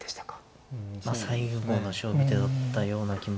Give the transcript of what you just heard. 最後の勝負手だったような気も。